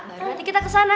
baru nanti kita kesana